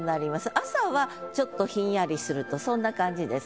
朝はちょっとひんやりするとそんな感じです。